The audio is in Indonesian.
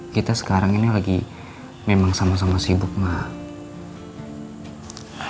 kita sekarang ini lagi memang sama sama sibuk mah